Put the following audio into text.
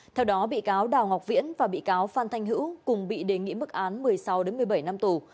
theo đó bị cáo đào ngọc viễn và bị cáo phan thanh hữu cùng bị đề nghị mức án một mươi sáu một mươi bảy năm tù